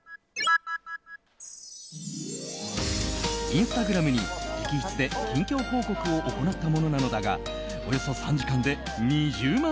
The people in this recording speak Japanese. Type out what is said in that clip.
インスタグラムに直筆で近況報告を行ったものなのだがおよそ３時間で２０万